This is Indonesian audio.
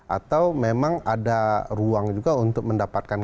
atau memang ada ruang juga untuk mendapatkan